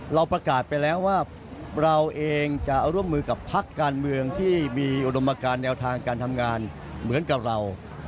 เราประกาศไปแล้วว่าเราเองจะร่วมมือกับพักการเมืองที่มีอุดมการแนวทางการทำงานเหมือนกับเรา